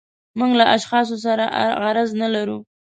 موږ له اشخاصو سره غرض نه لرو.